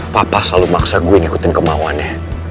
papa selalu maksa gue ngikutin kemauannya